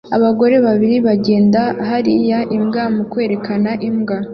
Abagore babiri bagenda hariya imbwa mu kwerekana imbwa